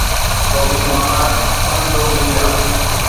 سوڀي بهار پنبه مينا